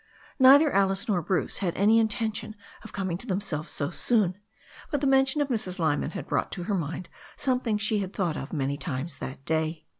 Neither Alice nor Bruce had any intention of coming to themselves so soon, but the mention of Mrs. Lyman had brought to her mind something she had thought of many times that day.